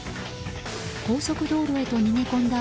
高速道路へと逃げ込んだ